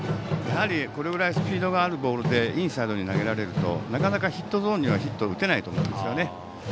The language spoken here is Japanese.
これぐらいスピードのあるボールでインサイドに投げられるとなかなかヒットゾーンにはヒットを打てないと思うんですね。